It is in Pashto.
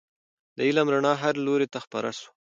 د علم رڼا هر لوري ته خپره سوه.